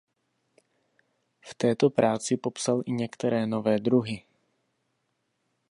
V této práci popsal i některé nové druhy.